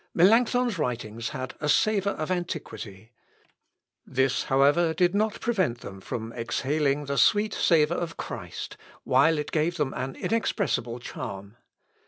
" Melancthon's writings had a savour of antiquity. This, however, did not prevent them from exhaling the sweet savour of Christ, while it gave them an inexpressible charm.